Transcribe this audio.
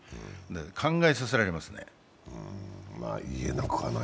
考えさせられますね。